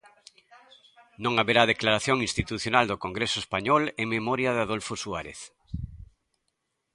Non haberá declaración institucional do Congreso español en memoria de Adolfo Suárez.